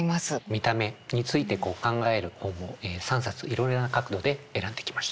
見た目について考える本を３冊いろいろな角度で選んできました。